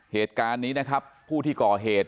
เหตุการณ์นี้นะครับผู้ที่ก่อเหตุ